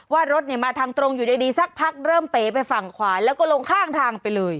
ว่ารถเนี่ยมาทางตรงอยู่ดีสักพักเริ่มเป๋ไปฝั่งขวาแล้วก็ลงข้างทางไปเลย